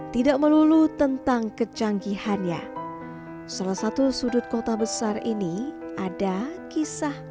tidak melulu tentang kecanggihannya salah satu sudut kota besar ini ada kisah